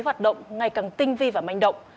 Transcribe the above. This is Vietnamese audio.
hoạt động ngày càng tinh vi và manh động